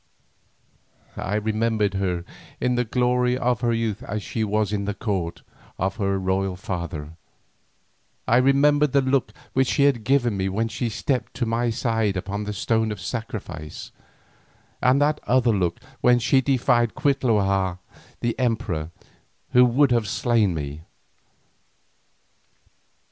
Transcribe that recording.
I remembered her in the glory of her youth as she was in the court of her royal father, I remembered the look which she had given me when she stepped to my side upon the stone of sacrifice, and that other look when she defied Cuitlahua the emperor, who would have slain me.